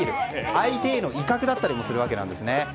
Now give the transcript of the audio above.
相手への威嚇だったりもするんですね。